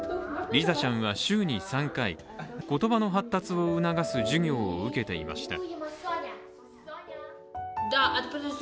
リザちゃんは週に３回、言葉の発達を促す授業を受けていました。